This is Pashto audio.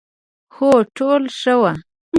هو، ټول ښه وو،